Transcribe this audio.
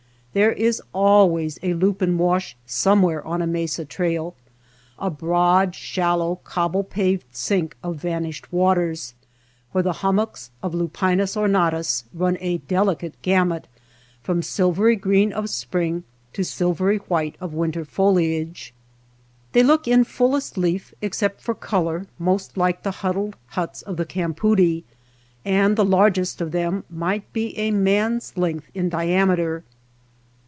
There is always a lupin wash somewhere on a mesa trail, — a broad, shal low, cobble paved sink of vanished waters, where the hummocks of Lupimcs ornatus run a delicate gamut from silvery green of spring to silvery white of winter foliage. They look in fullest leaf, except for color, most like the huddled huts of the cam poodie, and the largest of them might be a man's length in diameter.